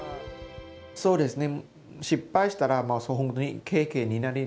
そうですね。